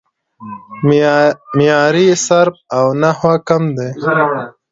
معیاري صرف او نحو کم دی